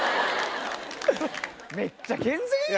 めっちゃ健全やん！